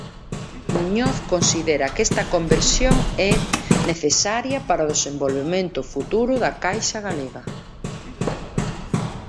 Muñoz considera que esta conversión é "necesaria para o desenvolvemento futuro da caixa galega".